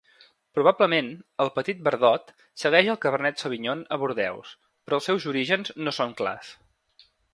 Probablement el Petit Verdot segueix el Cabernet Sauvignon a Bordeus, però els seus orígens no són clars.